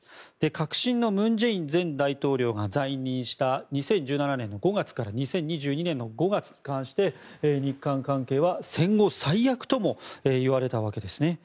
革新の文在寅前大統領が在任した２０１７年の５月から２０２２年の５月に関して日韓関係は戦後最悪とも言われたわけですね。